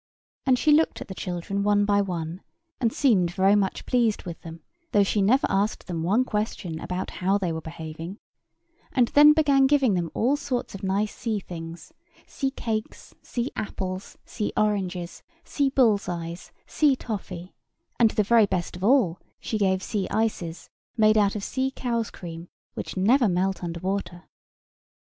And she looked at the children one by one, and seemed very much pleased with them, though she never asked them one question about how they were behaving; and then began giving them all sorts of nice sea things—sea cakes, sea apples, sea oranges, sea bullseyes, sea toffee; and to the very best of all she gave sea ices, made out of sea cows' cream, which never melt under water.